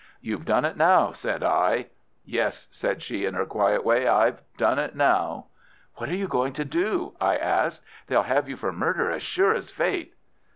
"You've done it now!" said I. "Yes," said she, in her quiet way, "I've done it now." "What are you going to do?" I asked. "They'll have you for murder as sure as fate."